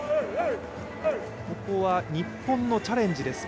ここは日本のチャレンジです